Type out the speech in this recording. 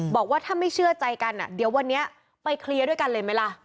บอกว่าถ้าไม่เชื่อใจกันเดี๋ยววันนี้ไปเคลียร์ด้วยกันเลยไหมล่ะ